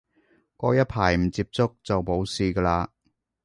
過一排唔接觸就冇事嘅喇